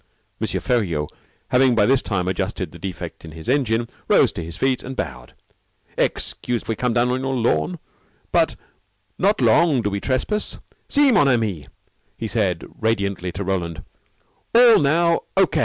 M. Feriaud, having by this time adjusted the defect in his engine, rose to his feet, and bowed. "Excuse if we come down on your lawn. But not long do we trespass. See, mon ami," he said radiantly to Roland, "all now O.